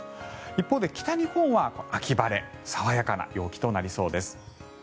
一方で北日本は秋晴れ爽やかな陽気となりそうです。